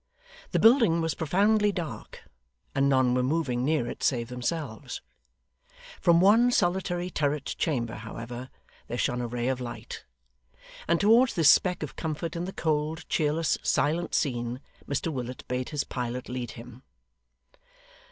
The building was profoundly dark, and none were moving near it save themselves. From one solitary turret chamber, however, there shone a ray of light; and towards this speck of comfort in the cold, cheerless, silent scene, Mr Willet bade his pilot lead him.